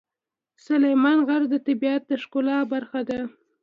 سلیمان غر د طبیعت د ښکلا برخه ده.